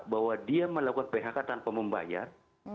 bahwa dia melakukan phk tanpa membayar